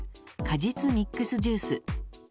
果実ミックスジュース。